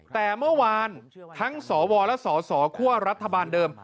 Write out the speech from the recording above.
แต่เมื่อวานทั้งสวและสสคั่วรัฐบาลเดิม